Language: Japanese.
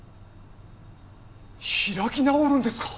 開き直るんですか！？